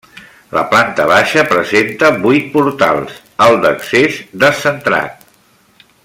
La planta baixa presenta vuit portals, el d'accés descentrat.